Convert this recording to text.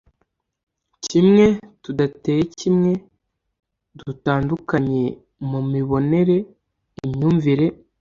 kimwe tudateye kimwe dutandukanye mu mibonere imyumvire